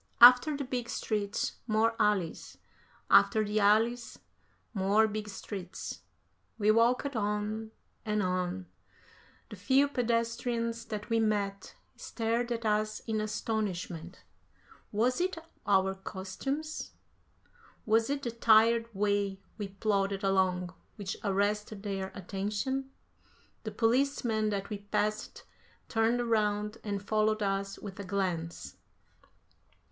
After the big streets, more alleys; after the alleys, more big streets; we walked on, and on; the few pedestrians that we met stared at us in astonishment. Was it our costumes? Was it the tired way we plodded along which arrested their attention? The policemen that we passed turned round and followed us with a glance.